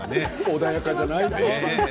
穏やかじゃないね。